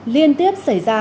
liên tiếp xảy ra